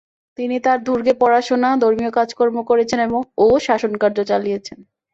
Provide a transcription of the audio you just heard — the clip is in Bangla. তিনি তার দুর্গে পড়াশোনা, ধর্মীয় কাজকর্ম করেছেন ও শাসনকার্য চালিয়েছেন।